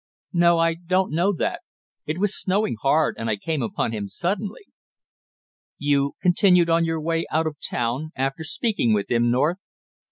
"No, I, don't know that; it was snowing hard and I came upon him suddenly." "You continued on your way out of town after speaking with him, North?"